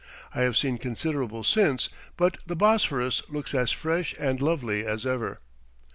I have seen considerable since, but the Bosphorus looks as fresh and lovely as ever.